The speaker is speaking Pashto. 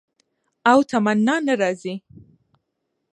او تمنا نه راځي